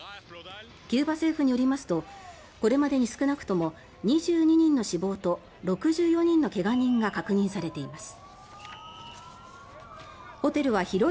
キューバ政府によりますとこれまでに少なくとも２２人の死亡と６４人の怪我人が確認されています。